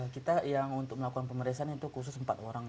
kita yang untuk melakukan pemeriksaan itu khusus empat orang